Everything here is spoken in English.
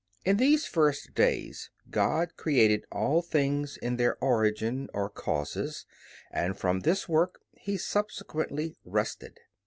In these first days God created all things in their origin or causes, and from this work He subsequently rested.